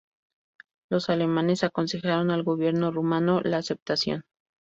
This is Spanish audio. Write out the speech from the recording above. Los alemanes aconsejaron al Gobierno rumano la aceptación.